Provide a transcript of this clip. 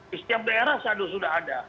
di setiap daerah saya tahu sudah ada